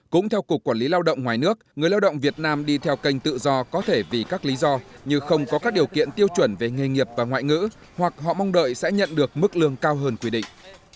cũng theo cục quản lý lao động ngoài nước người lao động việt nam đi theo kênh tự do có thể vì các lý do như không có các điều kiện tiêu chuẩn về nghề nghiệp và ngoại ngữ hoặc họ mong đợi sẽ nhận được mức lương cao hơn quy định